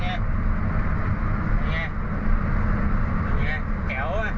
ได้ยินเสียงปีนแต่ยาวมาคุดพูดเลย